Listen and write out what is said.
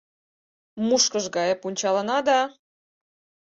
Мушкыш гае пунчалына да